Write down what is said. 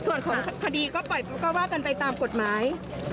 ส่วนของคดีก็ว่ากันไปตามกฎไม้